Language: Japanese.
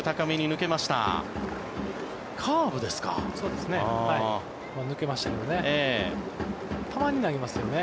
抜けましたけどね。